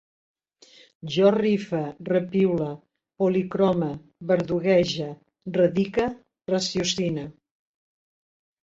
Jo rife, repiule, policrome, verduguege, radique, raciocine